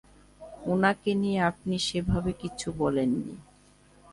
উনাকে নিয়ে আপনি সেভাবে কিছু বলেননি।